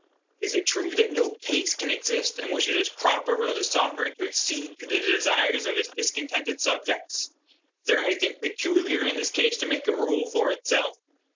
Is it true that no case can exist in which it is proper for the sovereign to accede to the desires of his discontented subjects? Is there anything peculiar in this case to make a rule for itself?